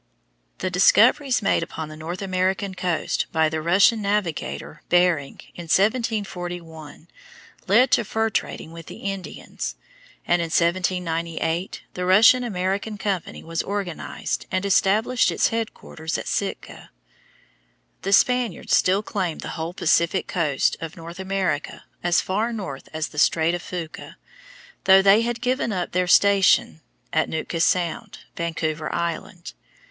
The discoveries made upon the North American coast by the Russian navigator, Bering, in 1741, led to fur trading with the Indians; and in 1798 the Russian American company was organized and established its headquarters at Sitka. The Spaniards still claimed the whole Pacific coast of North America as far north as the Strait of Fuca, though they had given up their station at Nootka Sound, Vancouver Island.